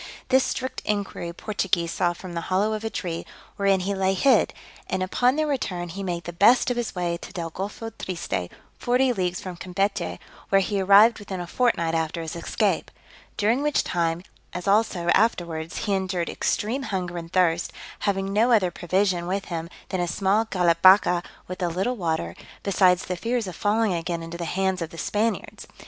This strict inquiry Portugues saw from the hollow of a tree, wherein he lay hid; and upon their return he made the best of his way to del Golpho Triste, forty leagues from Campechy, where he arrived within a fortnight after his escape: during which time, as also afterwards, he endured extreme hunger and thirst, having no other provision with him than a small calabaca with a little water: besides the fears of falling again into the hands of the Spaniards.